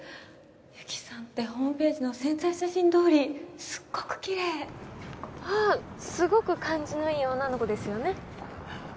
雪さんってホームページの宣材写真どおりすっごくきれいああすごく感じのいい女の子ですよね。